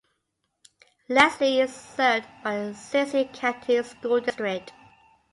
Leslie is served by the Searcy County School District.